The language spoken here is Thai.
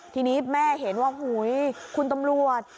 ทีนี้แม่เห็นว่าคุณตำรวจ